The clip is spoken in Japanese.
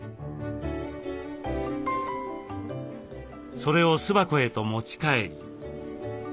それを巣箱へと持ち帰り。